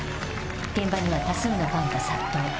現場には多数のファンが殺到。